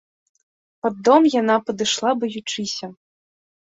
Пад дом яна падышла баючыся.